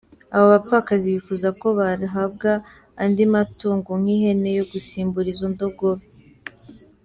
Abo bapfakazi bifuza ko bahabwa andi matungo nk’ihene yo gusimbura izo ndogobe.